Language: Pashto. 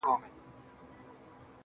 ايله چي شل، له ځان سره خوارې کړې ده,